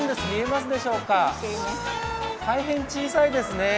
大変小さいですね。